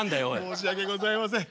申し訳ございません。